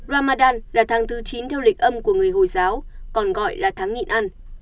ramadan là tháng thứ chín theo lịch âm của người hồi giáo còn gọi là tháng nghịn ăn